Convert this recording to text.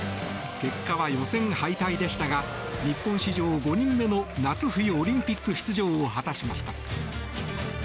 結果は予選敗退でしたが日本史上５人目の夏冬オリンピック出場を果たしました。